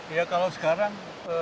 ya kalau sekarang